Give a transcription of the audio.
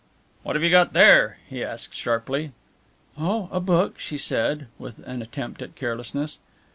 "What have you got there?" he asked sharply. "Oh, a book," she said, with an attempt at carelessness.